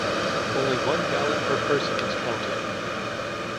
Only one ballot per person was counted.